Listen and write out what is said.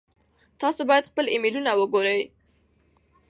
تاسو باید خپل ایمیلونه وګورئ.